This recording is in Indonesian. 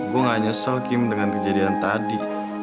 gue gak nyesel kim dengan kejadian tadi